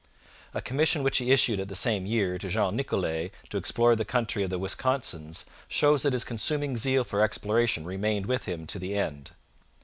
A commission which he issued in the same year to Jean Nicolet to explore the country of the Wisconsins, shows that his consuming zeal for exploration remained with him to the end.